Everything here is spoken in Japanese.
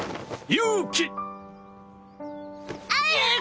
勇気！